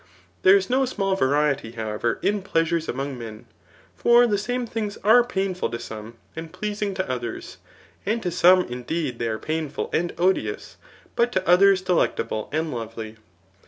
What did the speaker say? There is no small variety, how. ever, in pleasures among men ; for the same things are painful to some and pleasing to others ; and to some, in^ deed, they are painful and odious, but to others delecta ble and lovely.